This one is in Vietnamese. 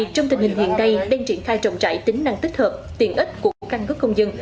trong tình hình hiện nay đang triển khai trọng trải tính năng tích hợp tiện ích của căn cứ công dân